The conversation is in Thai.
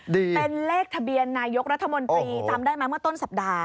เป็นเลขทะเบียนนายกรัฐมนตรีจำได้ไหมเมื่อต้นสัปดาห์